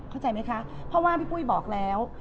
เข้าใจไหมคะเพราะว่าพี่ปุ้ยบอกแล้ว